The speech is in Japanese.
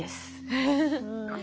フフフ。